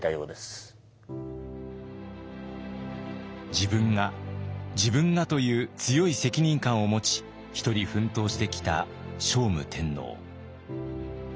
「自分が自分が」という強い責任感を持ち一人奮闘してきた聖武天皇。